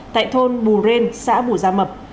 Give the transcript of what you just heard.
tại thôn bù rên xã bù gia mập